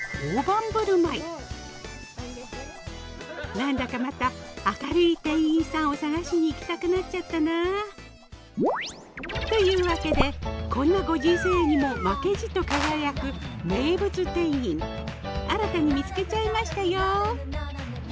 何だかまた明るい店員さんを探しに行きたくなっちゃったな。というわけでこんなご時世にも負けじと輝く名物店員新たに見つけちゃいましたよ。